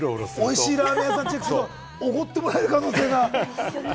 おいしいラーメン屋さんチェックするとおごってもらえる可能性が。